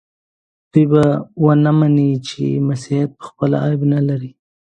دوی به ونه مني چې مسیحیت پخپله عیب نه لري.